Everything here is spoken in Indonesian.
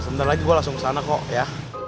sebentar lagi gue langsung ke sana kok ya